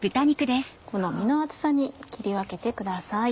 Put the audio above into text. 好みの厚さに切り分けてください。